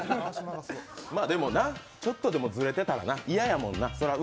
でもちょっとでもずれてたら嫌だもんな。